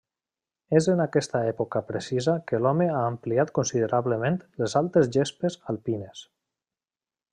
És en aquesta època precisa que l'home ha ampliat considerablement les altes gespes alpines.